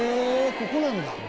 ここなんだ。